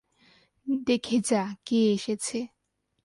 দেখে যা, কে এসেছে।